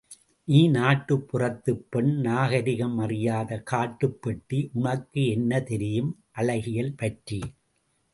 நீ நாட்டுப்புறத்துப் பெண் நாகரிகம் அறியாத கட்டுப் பெட்டி, உனக்கு என்ன தெரியும் அழகியல்பற்றி.